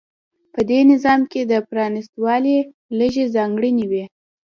په دې نظام کې د پرانېستوالي لږې ځانګړنې وې.